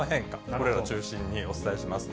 これらを中心にお伝えします。